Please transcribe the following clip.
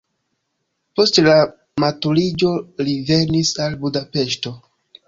Post la maturiĝo li venis al Budapeŝto.